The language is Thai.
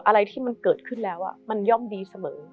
อะไรที่มันเกิดขึ้นแล้วมันย่อมดีเสมอ